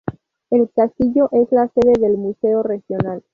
El castillo es la sede del museo regional.